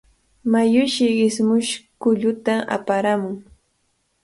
Mayushi ismush kulluta aparamun.